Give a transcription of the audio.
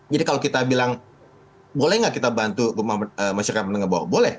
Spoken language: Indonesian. jadi kalau kita bilang boleh nggak kita bantu rumah masyarakat menengah bawah boleh